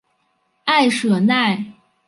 埃舍奈。